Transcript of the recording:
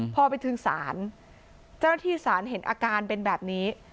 พอไปถึงศาลเจ้าหน้าที่ศาลเห็นอาการเป็นแบบนี้